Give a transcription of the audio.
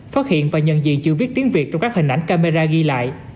phát hiện và nhận diện chữ viết tiếng việt trong các hình ảnh camera ghi lại